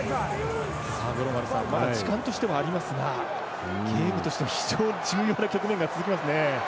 まだ時間としてはありますがゲームとしては非常に重要な局面が続きますね。